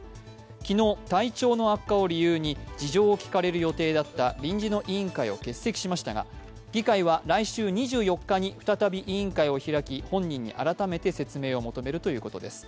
昨日、体調の悪化を理由に事情を聴かれる予定だった臨時の委員会を欠席しましたが議会は来週２４日に再び委員会を開き、本人に改めて説明を求めるということです。